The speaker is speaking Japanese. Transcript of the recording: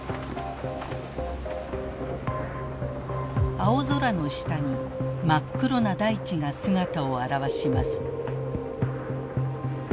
青空の下に真っ黒な大地が姿を現します。